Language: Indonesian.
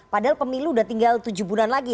padahal pemilu udah tinggal tujuh bulan lagi